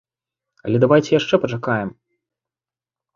Але давайце яшчэ пачакаем.